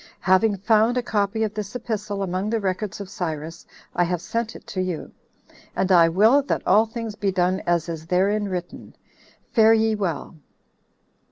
Having found a copy of this epistle among the records of Cyrus, I have sent it you; and I will that all things be done as is therein written. Fare ye well."